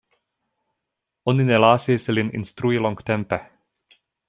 Oni ne lasis lin instrui longtempe.